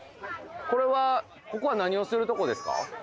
これはここは何をするとこですか？